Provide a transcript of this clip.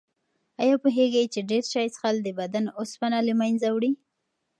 آیا پوهېږئ چې ډېر چای څښل د بدن اوسپنه له منځه وړي؟